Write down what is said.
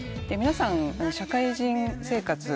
皆さん社会人生活。